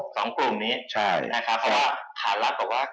๒กลุ่มนี้นะคะคำถามรับก็ว่า